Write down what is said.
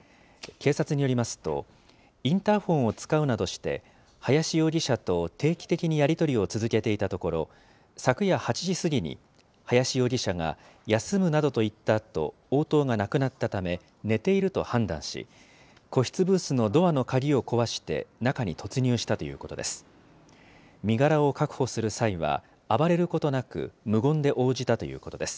警察によりますと、インターホンを使うなどして、林容疑者と定期的にやり取りを続けていたところ、昨夜８時過ぎに林容疑者が、休むなどと言ったあと、応答がなくなったため、寝ていると判断し、個室ブースのドアの鍵を壊して中に突入したということです。